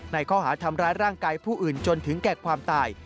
ในข้อหาทำร้ายร่างกายผู้อื่นจนถึงแก่ความตาย